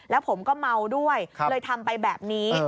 แล้วผมก็เมาด้วยเลยทำไปแบบนี้